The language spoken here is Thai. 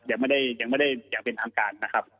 ยังไม่ได้เป็นทางการนะครับ